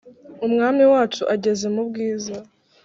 umwami wacu ageze mu bwiza